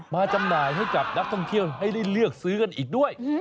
จำหน่ายให้กับนักท่องเที่ยวให้ได้เลือกซื้อกันอีกด้วย